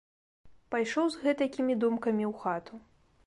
Пайшоў з гэтакімі думкамі ў хату.